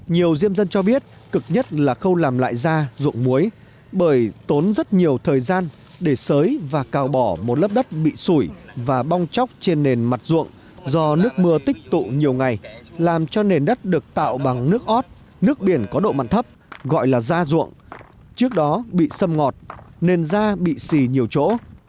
nhiều diêm dân cho biết cực nhất là không làm lại da ruộng mối bởi tốn rất nhiều thời gian để sới và cào bỏ một lớp đất bị sủi và bong chóc trên nền mặt ruộng do nước mưa tích tụ nhiều ngày làm cho nền đất được tạo bằng nước ót nước biển có độ mặn thấp gọi là da ruộng trước đó bị sâm ngọt nền da bị xì nhiều chỗ